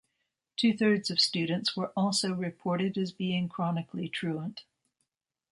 Two thirds of students were also reported as being chronically truant.